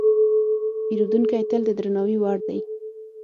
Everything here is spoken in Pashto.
پیرودونکی تل د درناوي وړ دی.